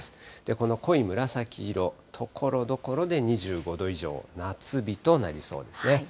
この濃い紫色、ところどころで２５度以上、夏日となりそうですね。